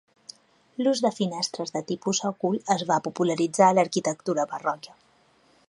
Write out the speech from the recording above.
L'ús de finestres de tipus òcul es va popularitzar a l'arquitectura barroca.